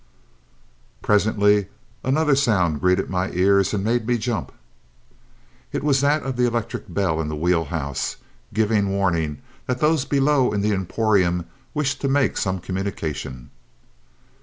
Presently another sound greeted my ears and made me jump. It was that of the electric bell in the wheel house, giving warning that those below in the emporium wished to make some communication.